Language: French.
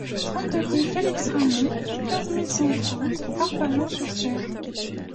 trente-deux rue Félix Ramond, quinze mille cent trente Arpajon-sur-Cère